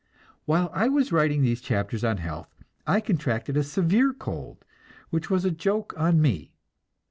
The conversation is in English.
While I was writing these chapters on health I contracted a severe cold which was a joke on me.